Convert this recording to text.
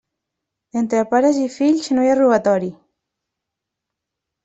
Entre pares i fills no hi ha robatori.